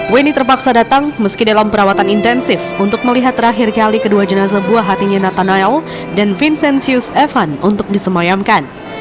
weni terpaksa datang meski dalam perawatan intensif untuk melihat terakhir kali kedua jenazah buah hatinya nata noel dan vincenzius evan untuk disemayamkan